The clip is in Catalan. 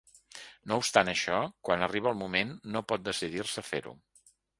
No obstant això, quan arriba el moment no pot decidir-se a fer-ho.